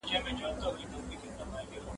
د خیال نیلی دي د جنون له بیابانه نه ځي !.